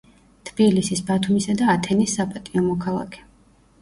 თბილისის, ბათუმისა და ათენის საპატიო მოქალაქე.